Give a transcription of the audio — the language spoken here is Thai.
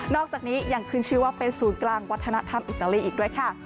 อกจากนี้ยังขึ้นชื่อว่าเป็นศูนย์กลางวัฒนธรรมอิตาลีอีกด้วยค่ะ